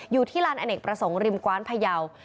อยู่ที่ลานอเนกประสงค์ริมกว้านพยาว